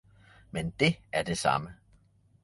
men det er det samme!